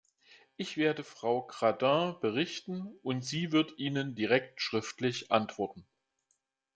Ich werde Frau Gradin berichten, und sie wird Ihnen direkt schriftlich antworten.